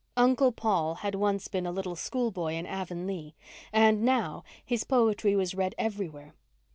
Uncle Paul had once been a little school boy in Avonlea and now his poetry was read everywhere.